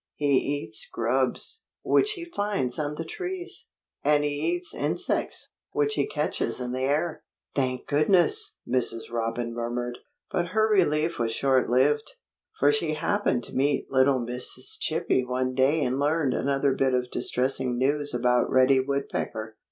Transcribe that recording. "He eats grubs, which he finds on the trees. And he eats insects, which he catches in the air." "Thank goodness!" Mrs. Robin murmured. But her relief was short lived. For she happened to meet little Mrs. Chippy one day and learned another bit of distressing news about Reddy Woodpecker.